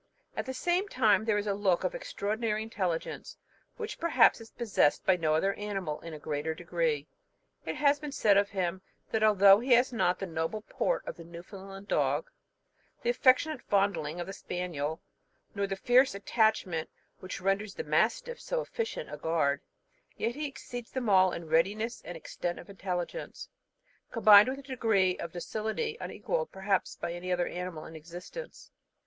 At the same time there is a look of extraordinary intelligence, which perhaps is possessed by no other animal in a greater degree. It has been said of him, that although he has not the noble port of the Newfoundland dog, the affectionate fondling of the spaniel, nor the fierce attachment which renders the mastiff so efficient a guard, yet he exceeds them all in readiness and extent of intelligence, combined with a degree of docility unequalled, perhaps, by any other animal in existence.